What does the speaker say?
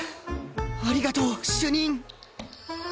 ありがとう主任